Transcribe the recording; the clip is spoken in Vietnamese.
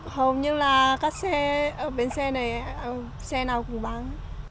không nhưng là các xe ở bến xe này xe nào cũng bán